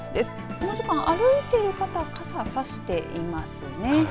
この時間、歩いている方傘を差していますね。